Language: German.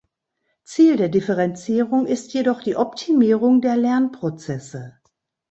Ziel der Differenzierung ist jedoch die Optimierung der Lernprozesse.